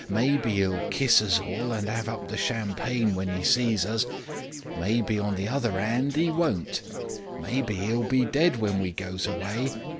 Maybe 'e'll kiss us all and 'ave up the champagne when 'e sees us. Maybe on the other 'and 'e won't. Maybe 'e'll be dead when we goes away.